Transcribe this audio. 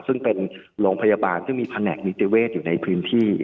ซึ่งเป็นโรงพยาบาลซึ่งมีแผนกนิติเวศอยู่ในพื้นที่